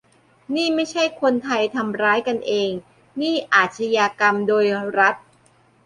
"นี่ไม่ใช่คนไทยทำร้ายกันเอง นี่อาชญากรรมโดยรัฐ"